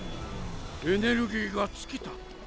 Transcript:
エネルギーが尽きた。